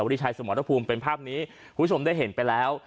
สวัสดีชายสมรทธพูมเป็นภาพนี้คุณผู้ชมได้เห็นไปแล้ว